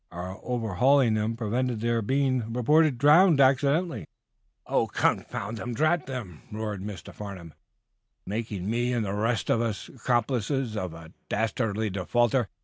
Our overhauling them prevented their being reported drowned accidentally." "Oh, confound them! Drat them!" roared Mr. Farnum. "Making me, and the rest of us, accomplices of a dastardly defaulter.